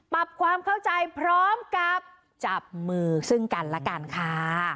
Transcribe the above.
ปรับความเข้าใจพร้อมกับจับมือซึ่งกันละกันค่ะ